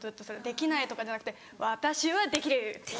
「できない」とかじゃなくて「私はできる！」。